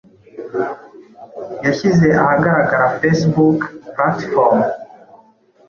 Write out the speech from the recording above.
yashyize ahagaragara Facebook Platform,